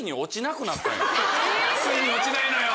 ついに落ちないのよ！